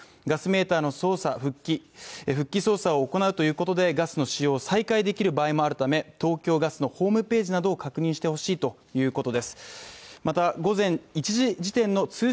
ガスメーターの復帰操作を行うということで、ガスの使用を再開できる場合もあるため東京ガスのホームページなどを確認してほしいということです。